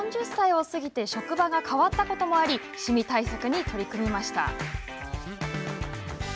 ４０歳を過ぎて職場が変わったこともありシミ対策に取り組みました。